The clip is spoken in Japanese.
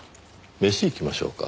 飯行きましょうか。